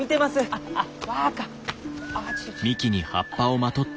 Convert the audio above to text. ああちょっと。